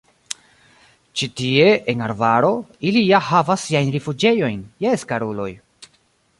Ĉi tie, en arbaro, ili ja havas siajn rifuĝejojn, jes, karuloj.